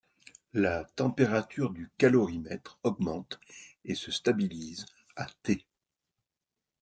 La température du calorimètre augmente et se stabilise à t.